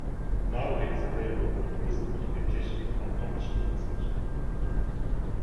Maui is available for use and modification for non-commercial usage.